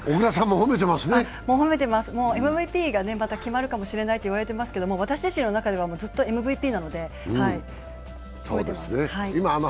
褒めてます、ＭＶＰが決まるかもしれないと言われてますけど私自身の中ではずっとＭＶＰなので褒めてます。